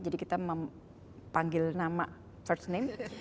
jadi kita memanggil nama first name